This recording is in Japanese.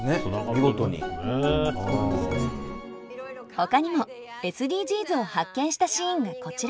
ほかにもＳＤＧｓを発見したシーンがこちら。